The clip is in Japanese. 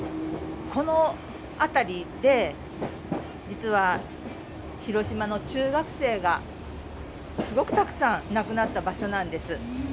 この辺りで実は広島の中学生がすごくたくさん亡くなった場所なんです。